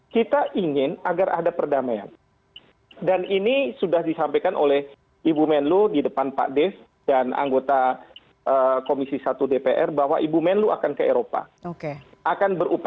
kita ingin agar agar kita bisa menjaga jarak